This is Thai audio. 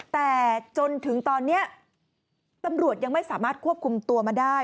แต่จนถึงตอนนี้ตำรวจยังไม่สามารถควบคุมตัวมาได้